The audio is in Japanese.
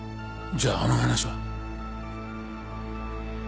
じゃああの話は。